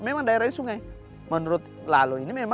memang daerahnya sungai menurut lalu ini memang